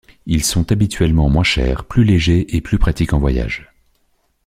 Ils sont habituellement moins chers, plus légers et plus pratiques en voyage.